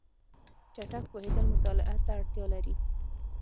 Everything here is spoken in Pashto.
چټک پوهېدل مطالعه ته اړتیا لري.